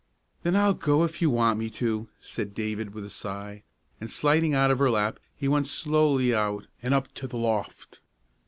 "Then I'll go if you want me to," said David, with a sigh, and sliding out of her lap he went slowly out and up to the loft.